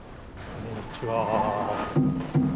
こんにちは。